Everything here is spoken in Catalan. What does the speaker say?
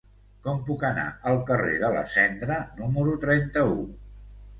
Com puc anar al carrer de la Cendra número trenta-u?